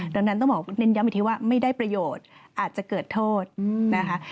ดังนั้นต้องบอกเน้นย้ำอีกทีว่าไม่ได้ประโยชน์อาจจะเกิดโทษนะคะ